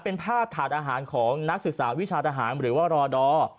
เป็นภาพถาดอาหารของนักศึกษาวิชาทหารหรือว่ารอดอร์